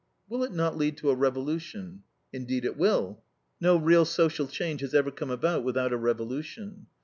Will it not lead to a revolution? Indeed, it will. No real social change has ever come about without a revolution.